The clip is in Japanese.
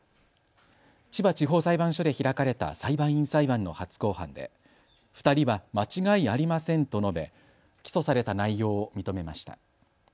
千葉地方裁判所で開かれた裁判員裁判の初公判で２人は間違いありませんと述べ、起訴された内容を認めました。